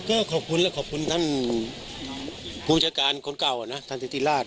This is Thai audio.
ก็ขอบคุณและขอบคุณท่านผู้จัดการคนเก่านะท่านธิติราช